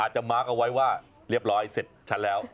จะมาร์คเอาไว้ว่าเรียบร้อยเสร็จชั้นแล้ว